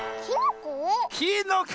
きのこ？